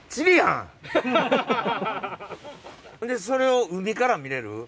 それを海から見られる？